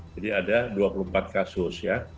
jadi ada dua puluh empat kasus